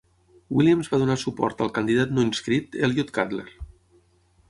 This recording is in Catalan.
Williams va donar suport al candidat no inscrit Eliot Cutler.